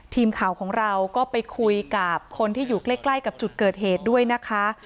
ทีมข่าวของเราก็ไปคุยกับคนที่อยู่ใกล้กับจุดเกิดเหตุด้วยนะคะ